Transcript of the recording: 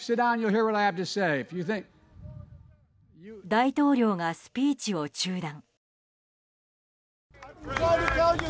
大統領がスピーチを中断。